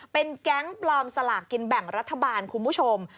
เป็นแก๊งปลอมสลากกินแบ่งรัฐบาลคุณผู้ชม